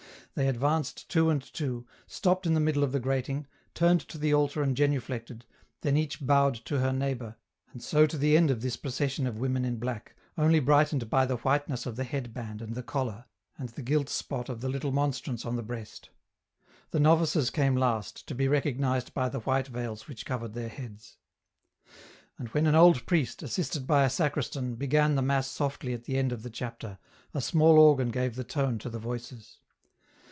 They advanced two and two, stopped in the middle of the grating, turned to the altar and genuflected, then each bowed to her neigh bour, and so to the end of this procession of women in black, only brightened by the whiteness of the head band and the collar, and the gilt spot of the little monstrance on the breast. The novices came last, to be recognized by the white veils which covered their heads. And when an old priest, assisted by a sacristan, began the mass softly at the end of the chapter, a small organ gave the tone to the voices.